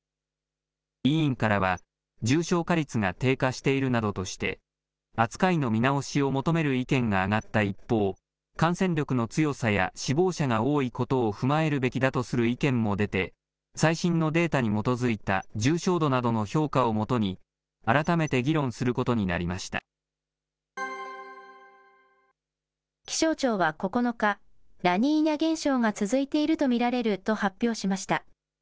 委員からは、重症化率が低下しているなどとして、扱いの見直しを求める意見が上がった一方、感染力の強さや死亡者が多いことを踏まえるべきだとする意見も出て、最新のデータに基づいた重症度などの評価をもとに、気象庁は９日、ラニーニャ現象が続いていると見られると発表しました。